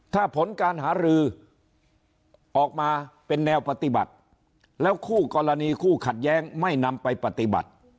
ถ้าผลการหารือออกมาเป็นแนวปฏิบัติแล้วคู่กรณีคู่ขัดแย้งไม่นำไปปฏิบัติ